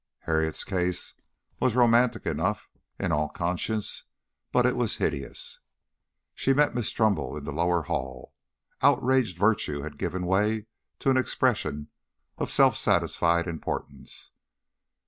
Harriet's case was romantic enough in all conscience, and it was hideous. She met Miss Trumbull in the lower hall. Outraged virtue had given way to an expression of self satisfied importance.